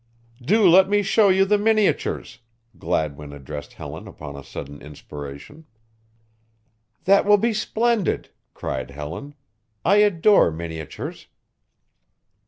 "Do let me show you the miniatures," Gladwin addressed Helen upon a sudden inspiration. "That will be splendid," cried Helen. "I adore miniatures."